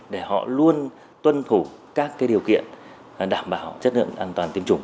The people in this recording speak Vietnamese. để họ luôn tuân thủ các điều kiện đảm bảo chất lượng an toàn tiêm chủng